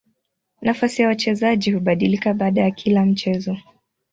Nafasi ya wachezaji hubadilika baada ya kila mchezo.